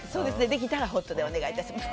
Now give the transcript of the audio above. できたらホットでお願い致します。